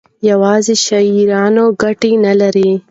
یوازې شعارونه ګټه نه لري.